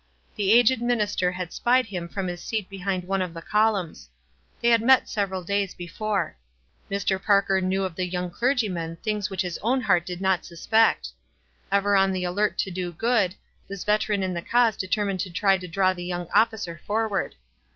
The aged minister had spied him from his seat behind one of the columns. They had met several days before. Mr. Parker knew of the young clergyman things which his own heart did not suspect. Ever on the alert to do good, this veteran in the cause determined to try to draw the young officer forward.